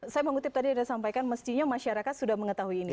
saya mengutip tadi sudah sampaikan mestinya masyarakat sudah mengetahui ini